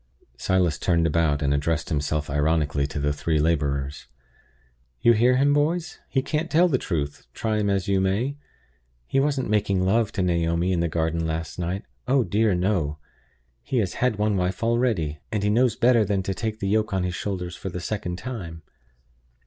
Silas turned about, and addressed himself ironically to the three laborers. "You hear him, boys? He can't tell the truth, try him as you may. He wasn't making love to Naomi in the garden last night oh dear, no! He has had one wife already; and he knows better than to take the yoke on his shoulders for the second time!"